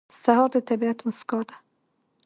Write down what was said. سهار د طبیعت موسکا ده.